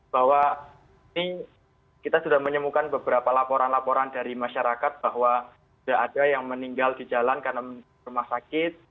bahwa ini kita sudah menemukan beberapa laporan laporan dari masyarakat bahwa sudah ada yang meninggal di jalan karena rumah sakit